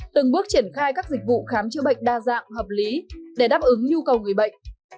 từng bước triển khai các dịch vụ khám chữa bệnh đa dạng hợp lý để đáp ứng nhu cầu người bệnh